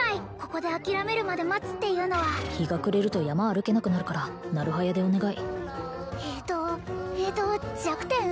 ここで諦めるまで待つっていうのは日が暮れると山歩けなくなるからなる早でお願いえとえと弱点？